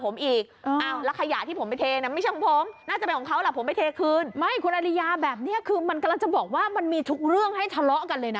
มันจะบอกว่ามันมีทุกเรื่องให้ทะเลาะกันเลยนะ